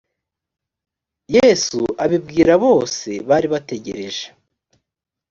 yesu abibwira bose bari bategereje.